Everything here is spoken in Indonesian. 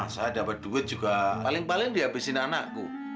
saya dapat duit juga paling paling dihabisin anakku